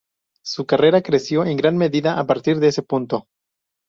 Su carrera creció en gran medida a partir de ese punto.